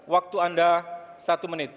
waktu anda satu menit